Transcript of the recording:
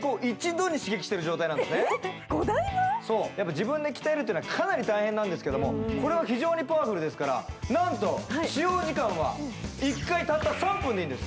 自分で鍛えるというのはかなり大変なんですけれども、これは非常にパワフルですから、なんと使用時間は１回たった３分でいいんです。